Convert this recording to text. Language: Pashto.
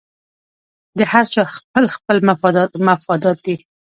د هر چا خپل خپل مفادات دي